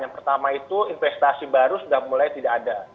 yang pertama itu investasi baru sudah mulai tidak ada